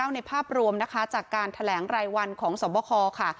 ในภาพรวมนะคะจากการแถลงรายวันของสวบคค่ะ